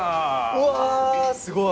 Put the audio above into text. うわすごい。